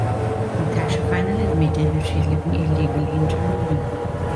Natasha finally admitted that she is living illegally in Germany.